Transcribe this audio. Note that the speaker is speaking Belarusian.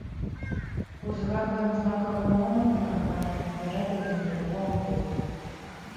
Узгадваем знакавыя моманты кампаніі напярэдадні другога тура.